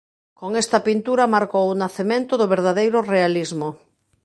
Con esta pintura marcou o nacemento do verdadeiro realismo.